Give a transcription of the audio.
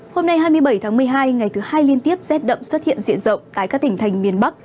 hôm nay hai mươi bảy tháng một mươi hai ngày thứ hai liên tiếp rét đậm xuất hiện diện rộng tại các tỉnh thành miền bắc